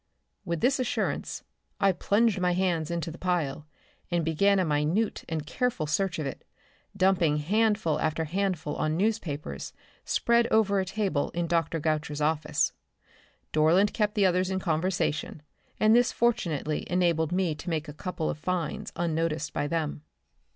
With this assurance, I plunged my hands into the pile and began a minute and careful search of it, dumping handful after handful on newspapers spread over a table in Dr. Goucher's office. Dorland kept the others in conversation, and this fortunately enabled me to make a couple of finds unnoticed by them.